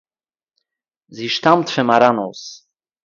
זי שטאַמט פון מאַראַנאָס